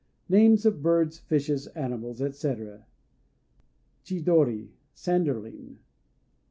NAMES OF BIRDS, FISHES, ANIMALS, ETC. Chidori "Sanderling."